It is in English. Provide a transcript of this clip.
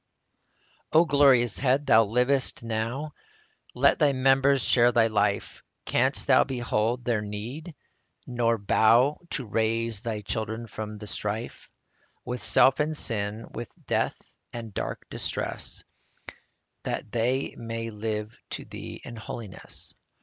O glorious Head, Thou livest now ! Let us Thy members share Thy life • Canst Thou behold their need, nor bow To raise Thy children from the strife With self and sin, with death and dark distress, That they may live to Thee in holiness